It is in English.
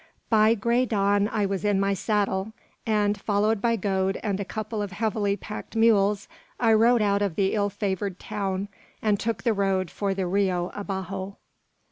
By grey dawn I was in my saddle; and, followed by Gode and a couple of heavily packed mules, I rode out of the ill favoured town, and took the road for the Rio Abajo.